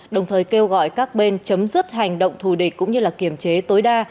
đồng thời kêu gọi các bên chấm dứt hành động thù địch cũng như kiểm chế tối đa